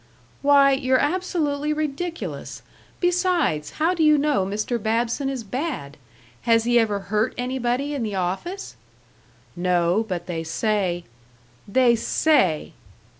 "Why, you're absolutely ridiculous! Besides, how do you know Mr. Babson is bad? Has he ever hurt anybody in the office?" "No, but they say " "'They say'!"